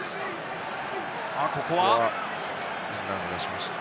ここはイングランド出しましたね。